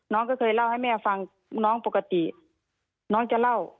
น้องก็เคยเล่าให้แม่ฟังน้องปกติน้องจะเล่า